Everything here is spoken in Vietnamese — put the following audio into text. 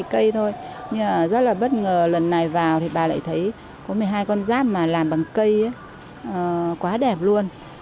hai cây thôi nhưng rất là bất ngờ lần này vào thì bà lại thấy có một mươi hai con rác mà làm bằng cây quá đẹp luôn